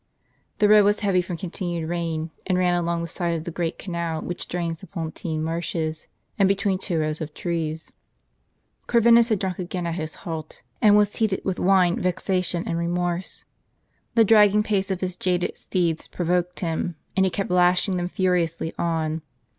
The road was heavy from continued rain, and ran along the side of the great canal which drains the Pontine marshes, and between two rows of trees. Corvinus had drunk again at his halt, and was heated with wdne, vexation, and remorse. The dragging pace of his jaded steeds provoked him, and he kept lashing them furi ously on.